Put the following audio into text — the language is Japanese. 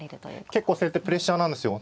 結構先手プレッシャーなんですよ